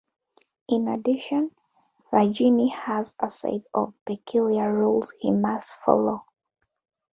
In addition, the Jinni has a set of peculiar rules he must follow.